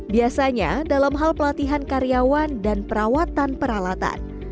biasanya dalam hal pelatihan karyawan dan perawatan peralatan